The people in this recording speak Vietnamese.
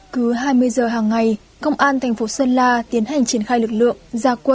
cứ hai mươi giờ hàng ngày công an thành phố sơn la